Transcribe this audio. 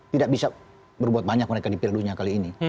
tidak bisa berbuat banyak mereka di pilihnya kali ini